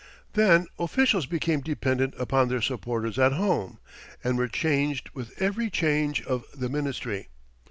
Then officials became dependent upon their supporters at home, and were changed with every change of the ministry.